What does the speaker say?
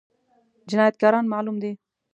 جنايتکاران معلوم دي؟